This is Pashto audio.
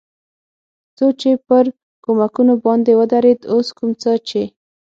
څو چې پر کومکونو باندې ودرېد، اوس کوم څه چې.